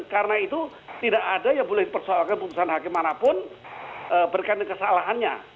karena itu tidak ada yang boleh dipersoalkan putusan hakim manapun berkandung kesalahannya